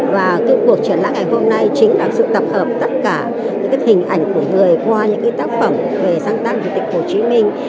và cái cuộc triển lãm ngày hôm nay chính là sự tập hợp tất cả những cái hình ảnh của người qua những cái tác phẩm về sáng tăng chủ tịch hồ chí minh